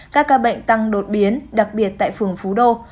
các ca bệnh tăng đột biến đặc biệt tại phường phú đô